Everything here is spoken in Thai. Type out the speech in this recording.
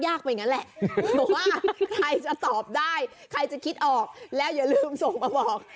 จิ้งจกต้องนึกถึงฝาบ้าน